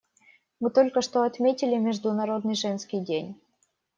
Мы только что отметили Международный женский день.